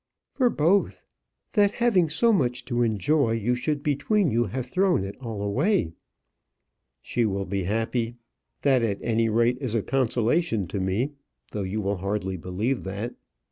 "For both; that, having so much to enjoy, you should between you have thrown it all away." "She will be happy. That at any rate is a consolation to me. Though you will hardly believe that."